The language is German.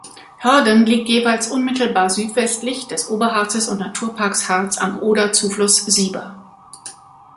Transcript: Hörden liegt jeweils unmittelbar südwestlich des Oberharzes und Naturparks Harz am Oder-Zufluss Sieber.